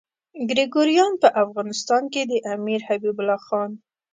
ګریګوریان په افغانستان کې د امیر حبیب الله خان.